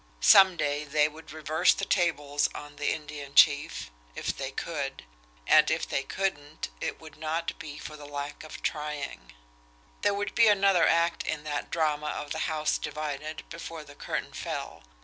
Some day they would reverse the tables on the Indian Chief if they could. And if they couldn't it would not be for the lack of trying. There would be another act in that drama of the House Divided before the curtain fell!